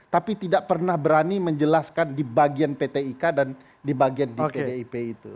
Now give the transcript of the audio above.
tapi tidak pernah berani menjelaskan di bagian pt ika dan di bagian di pdip itu